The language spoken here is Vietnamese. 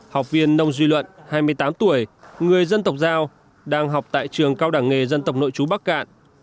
học viên nông duy luận hai mươi tám tuổi người dân tộc giao đang học tại trường cao đẳng nghề dân tộc nội chú bắc cạn